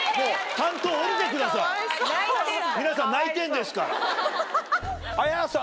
皆さん泣いてんですから。